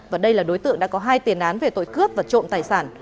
và đây là đối tượng đã có hai tiền án về tội cướp và trộm tài sản